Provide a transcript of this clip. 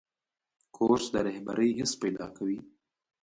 کورس د رهبرۍ حس پیدا کوي.